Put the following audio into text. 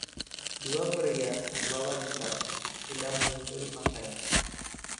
Dua pria, membawa gitar, sedang menyusuri pantai.